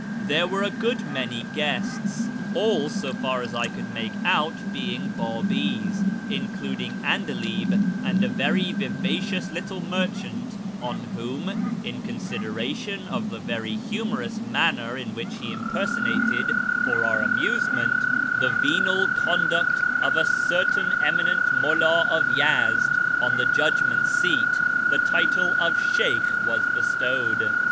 There were a good many guests (all, so far as I could make out, being Babis), including 'Andalib and a very vivacious little merchant on whom, in consideration of the very humorous manner in which he impersonated, for our amusement, the venal conduct of a certain eminent mulld of Yezd on the judgment seat, the title of " Sheykh " was bestowed.